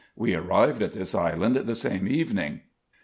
We arrived at this island the same evening.